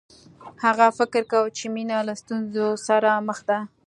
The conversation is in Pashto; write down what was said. هغه فکر کاوه چې مینه له ستونزو سره مخ ده